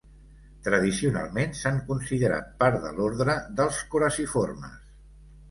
Tradicionalment s'han considerat part de l'ordre dels coraciformes.